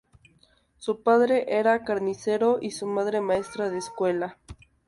Su padre era carnicero y su madre maestra de escuela.